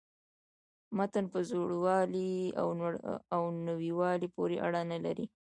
متن په زوړوالي او نویوالي پوري اړه نه لري.